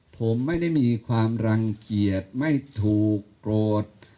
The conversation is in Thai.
ผมไม่ได้มีความรังเกียจไม่ถูกโกรธ